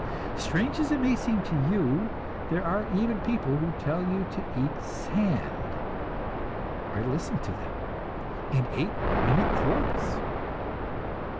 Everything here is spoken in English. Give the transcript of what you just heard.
Strange as it may seem to you, there are even people who tell you to eat sand. I listened to them, and ate many quarts.